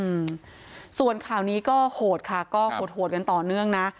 อืมส่วนข่าวนี้ก็โหดค่ะก็โหดโหดกันต่อเนื่องนะ